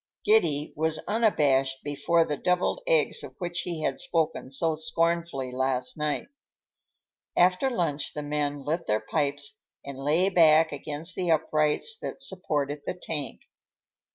Giddy was unabashed before the devilled eggs of which he had spoken so scornfully last night. After lunch the men lit their pipes and lay back against the uprights that supported the tank.